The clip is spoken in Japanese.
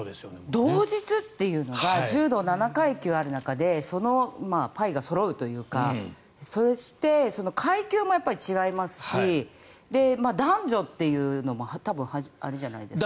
同日というのが柔道は７階級ある中でそのパイがそろうというか階級も違いますし男女というのも初めてじゃないですか？